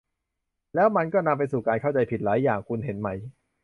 แล้วมันก็นำไปสู่การเข้าใจผิดหลายอย่าง คุณเห็นไหม